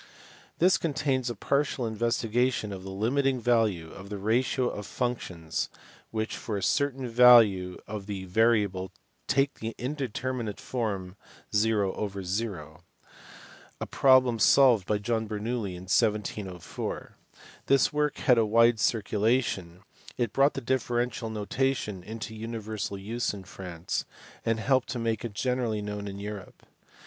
This contains a partial investigation of the limiting value of the ratio of functions which for a certain value of the variable take the indeterminate form : 0, a problem solved by John Bernoulli in 1704. This work had a wide circulation, it brought the differential notation into universal use in France, and helped to make it generally known in Europe.